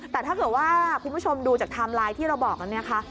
แต่ถ้าเกิดว่าคุณผู้ชมดูจากไทม์ไลน์ที่เราบอกแล้ว